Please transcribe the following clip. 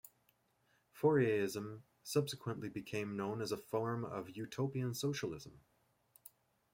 Fourierism subsequently became known as a form of utopian socialism.